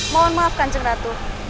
mohon maafkan ceng ratu